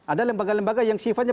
ada lembaga lembaga yang sifatnya